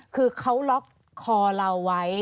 คือเขาล็อกคอเราไว้